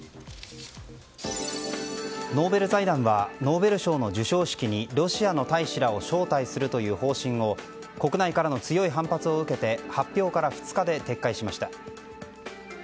ノーベル財団はノーベル賞の授賞式にロシアの大使らを招待するという方針を国内からの強い反発を受けて発表から２日で撤回しました。